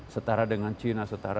setara dengan china